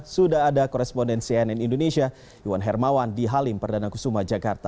sudah ada koresponden cnn indonesia iwan hermawan di halim perdana kusuma jakarta